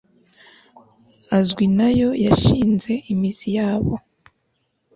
azwi na yo yashinze imizi yaba